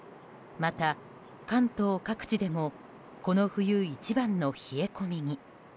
また、関東各地でもこの冬一番の冷え込みに。